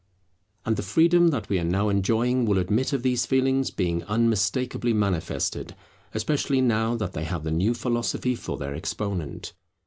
And the freedom that we are now enjoying will admit of these feelings being unmistakably manifested, especially now that they have the new philosophy for their exponent.